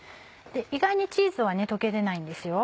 意外にチーズは溶け出ないんですよ。